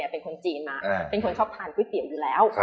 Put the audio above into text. เป็นคนจีนมาเป็นคนชอบทานก๋วยเตี๋ยวอยู่แล้ว